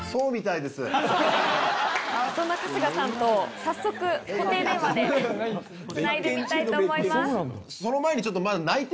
そんな春日さんと早速固定電話でつないでみたいと思います。